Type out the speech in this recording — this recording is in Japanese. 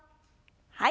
はい。